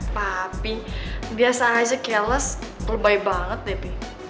papi biasa aja kelas lebay banget depi